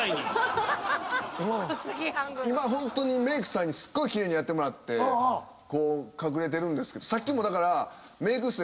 今ホントにメークさんにすっごい奇麗にやってもらって隠れてるんですけどさっきもだから。